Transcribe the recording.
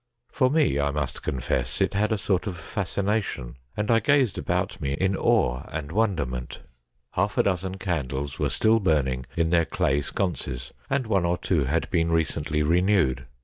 For me, I must confess, it had a sort of fascination, and I gazed about me in awe and wonderment. Half a dozen A NIGHT WITH THE DEAD 193 candles were still burning in their clay sconces, and one or two had been recently renewed.